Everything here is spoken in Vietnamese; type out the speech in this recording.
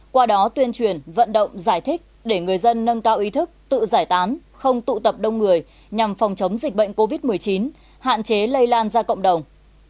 qua đó tuyên truyền vận động giải thích để người dân nâng cao ý thức tự giải tán không tụ tập đông người nhằm phòng chống dịch bệnh covid một mươi chín hạn chế lây lan ra cộng đồng